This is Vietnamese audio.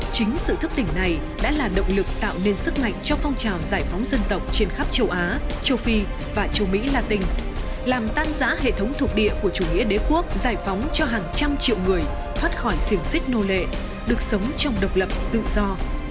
chính sự thức tỉnh này đã là động lực tạo nên sức mạnh cho phong trào giải phóng dân tộc trên khắp châu á châu phi và châu mỹ latin làm tan giã hệ thống thuộc địa của chủ nghĩa đế quốc giải phóng cho hàng trăm triệu người thoát khỏi siềng xích nô lệ được sống trong độc lập tự do